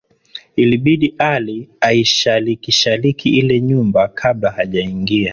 Ilibidi Ali aishalikishaliki ile nyumba kabla hajaingia